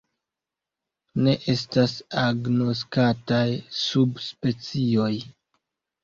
Ne estas agnoskataj subspecioj.